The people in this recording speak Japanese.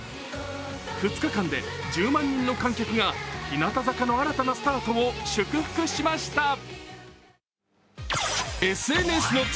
２日間で１０万人の観客が日向坂の新たなスタートを祝福しました。